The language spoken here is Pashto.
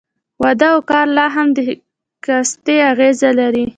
واده او کار لا هم د کاستي اغېز لري.